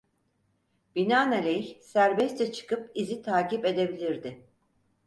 Binaenaleyh serbestçe çıkıp izi takip edebilirdi.